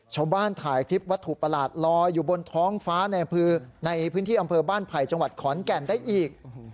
ชาวบ้านถ่ายคลิปวัตถุประหลาดลอยอยู่บนท้องฟ้าในพื้นที่อำเภอบ้านไผ่จังหวัดขอนแก่นได้อีก